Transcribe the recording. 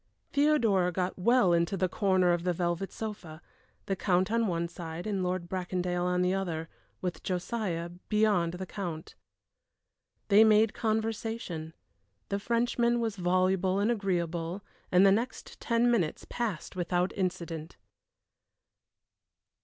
Theodora got well into the corner of the velvet sofa, the Count on one side and Lord Bracondale on the other, with Josiah beyond the Count. They made conversation. The Frenchman was voluble and agreeable, and the next ten minutes passed without incident.